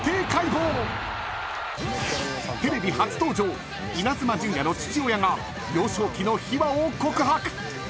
［テレビ初登場イナズマ純也の父親が幼少期の秘話を告白］